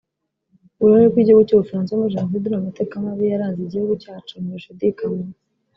Uruhare rw’igihugu cy’u Bufaransa muri jenoside no mu mateka mabi yaranze Igihugu cyacu ntirushidikanywaho